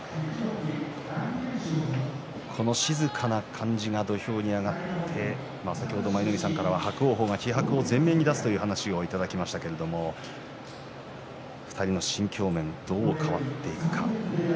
この静かな感じが土俵に上がって先ほど舞の海さんからは伯桜鵬が気迫を前面に出すという話をいただきましたけど２人の心境面、どう変わっていくか。